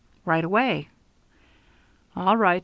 "Right away." "All right.